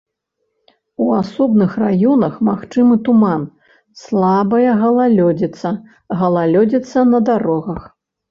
У асобных раёнах магчымы туман, слабая галалёдзіца, галалёдзіца на дарогах.